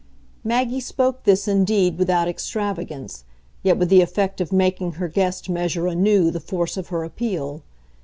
Maggie spoke this indeed without extravagance, yet with the effect of making her guest measure anew the force of her appeal.